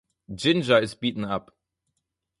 Ginger is beaten up.